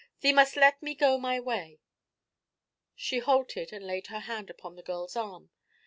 Thee must let me go my way.' She halted and laid her hand upon the girl's arm.